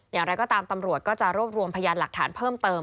อย่างไรก็ตามตำรวจก็จะรวบรวมพยานหลักฐานเพิ่มเติม